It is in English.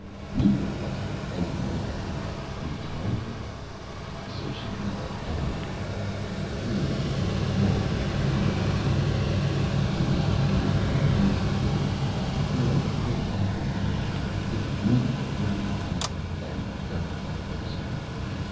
Neither was there any Man who had any time for Her. So she led a lonely Life, dreaming of the One the Ideal. He was a big and pensive Literary Man, wearing a Prince Albert coat, a neat Derby Hat and godlike Whiskers.